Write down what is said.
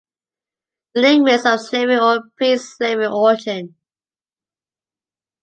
The name is of Slavic or Pre-Slavic origin.